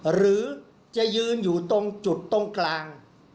หรือจะยืนอยู่ตรงจุดตรงกลาง